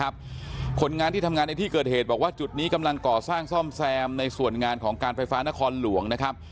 คนงานที่ทำงานในที่เกิดเหตุบอกว่าจุดนี้กำลังก่อสร้างซ่อมแซมในส่วนงานของการไฟฟ้านครหลวงนะครับ